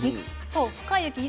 そう深い雪。